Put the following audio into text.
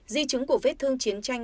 di chứng của vết thương chiến tranh